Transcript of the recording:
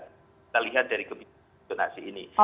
kita lihat dari kebijakan zonasi ini